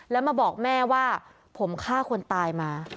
แล้วมาบอกแม่ว่าผมฆ่าคนตายมา